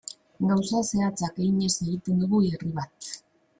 Gauza zehatzak eginez egiten dugu herri bat.